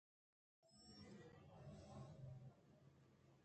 کہ چرے چیز ءَایشانی دل ءَ جُست ئِے سرکشّان بُوت